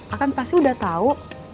akang pasti udah tau